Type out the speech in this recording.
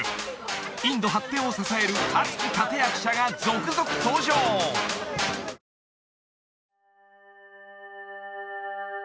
インド発展を支える熱き立役者が続々登場映画の都